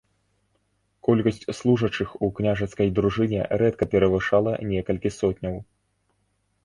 Колькасць служачых у княжацкай дружыне рэдка перавышала некалькі сотняў.